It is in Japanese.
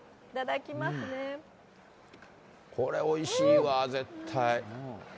これ、おいしいわ、絶対。